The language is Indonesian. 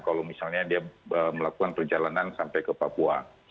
kalau misalnya dia melakukan perjalanan sampai ke papua